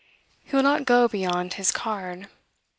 He will not go beyond his card.